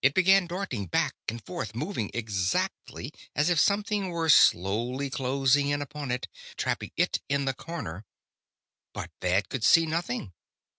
It began darting back and forth, moving exactly as if something were slowly closing in upon it, trapping it in the corner. But Thad could see nothing.